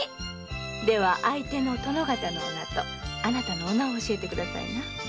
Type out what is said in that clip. では相手の殿方の御名とあなたの御名を教えてくださいな。